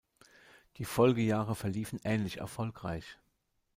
Die Folgejahre verliefen ähnlich erfolgreich.